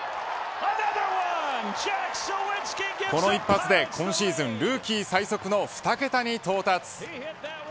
この一発で今シーズンルーキー最速の２桁に到達。